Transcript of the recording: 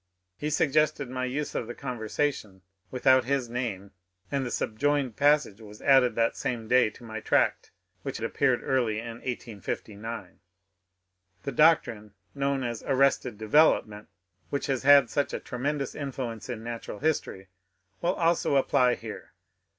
He suggested my use of the conversation, without his name, and the subjoined passage was added that same day to my tract, which appeared early in 1869 :— The doctrine known as '^arrested development," which has DARWIN'S WORK 281 had such a tremendous influence in natural history, will also apply here.